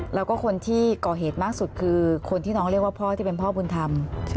แล้วก็คนที่ก่อเหตุมากสุดคือคนที่น้องเรียกว่าพ่อที่เป็นพ่อบุญธรรม